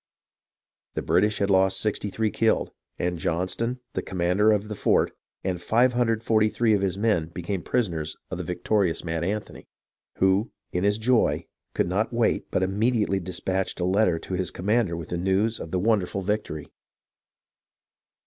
The British had lost 63 killed, and Johnston, the commander of the fort, and 543 of his men became prisoners of the victorious Mad Anthony, who, in his joy, could not wait, but immediately despatched a letter to his commander with the news of the wonderful victory.